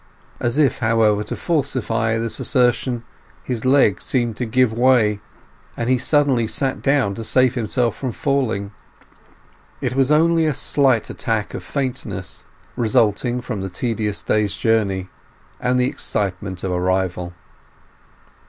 As if, however, to falsify this assertion, his legs seemed to give way, and he suddenly sat down to save himself from falling. It was only a slight attack of faintness, resulting from the tedious day's journey, and the excitement of arrival.